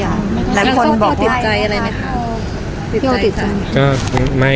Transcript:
ภาษาสนิทยาลัยสุดท้าย